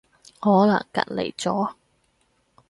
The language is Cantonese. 可能隔離咗